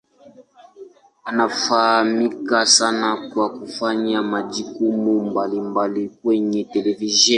Anafahamika sana kwa kufanya majukumu mbalimbali kwenye televisheni.